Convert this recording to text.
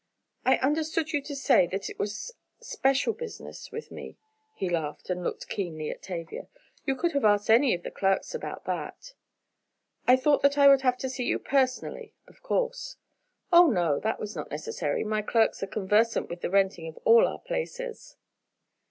"I understood you to say that it was special business with me," he laughed, and looked keenly at Tavia. "You could have asked any of the clerks about that." "I thought that I would have to see you personally, of course." "Oh, no, that was not necessary. My clerks are conversant with the renting of all our places."